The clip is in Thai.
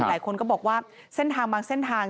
หลายคนก็บอกว่าเส้นทางบางเส้นทาง